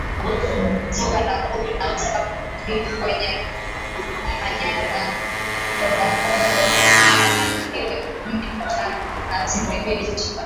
Ziwa Nakuru na Tsavo nchini Kenya Manyara Ngorongoro Tarangire kumi na tano na Serengeti